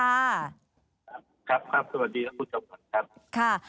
ครับสวัสดีครับคุณผู้ชมค่ะ